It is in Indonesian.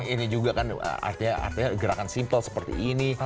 ini juga kan artinya gerakan simple seperti ini